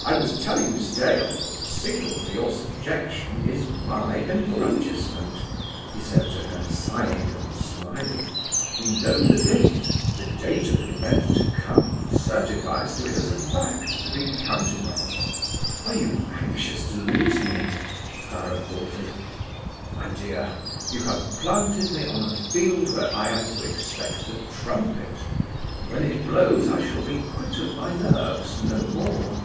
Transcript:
"I was telling Miss Dale that the signal for your subjection is my enfranchisement," he said to her, sighing and smiling. "We know the date. The date of an event to come certifies to it as a fact to be counted on." "Are you anxious to lose me?" Clara faltered. "My dear, you have planted me on a field where I am to expect the trumpet, and when it blows I shall be quit of my nerves, no more."